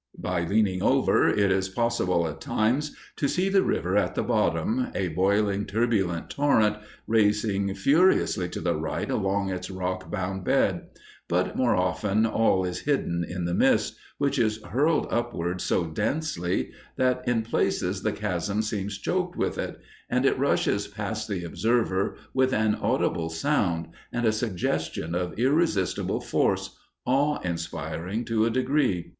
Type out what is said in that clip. By leaning over, it is possible at times to see the river at the bottom, a boiling, turbulent torrent racing furiously to the right along its rock bound bed; but more often all is hidden in the mist, which is hurled upward so densely that in places the Chasm seems choked with it, and it rushes past the observer with an audible sound and a suggestion of irresistible force, awe inspiring to a degree.